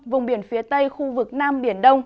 vùng biển phía tây khu vực nam biển đông